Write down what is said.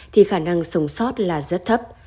thì khả năng sống sót là rất thấp